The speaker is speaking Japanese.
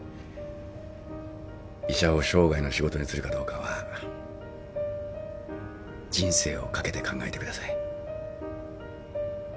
医者を生涯の仕事にするかどうかは人生を懸けて考えてください。